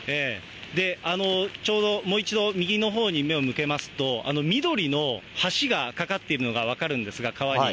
ちょうど、もう一度、右のほうに目を向けますと、緑の橋がかかっているのが分かるんですが、川に。